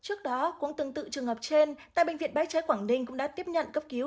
trước đó cũng tương tự trường hợp trên tại bệnh viện bé trái quảng ninh cũng đã tiếp nhận cấp cứu